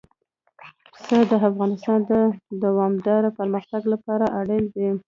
پسه د افغانستان د دوامداره پرمختګ لپاره اړین دي.